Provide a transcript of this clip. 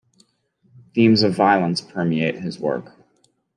Themes of violence permeate his work.